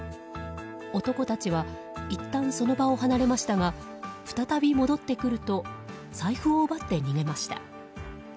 男たちはいったんその場を離れましたが再び戻ってくると財布を奪って逃げました。